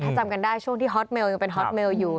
ถ้าจำกันได้ช่วงที่ฮอตเมลยังเป็นฮอตเมลอยู่